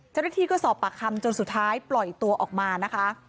เจ้าหน้าที่ก็สอบปากคำจนสุดท้ายปล่อยตัวออกมานะคะ